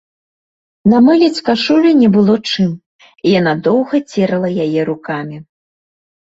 Намыліць кашулю не было чым, і яна доўга церла яе рукамі.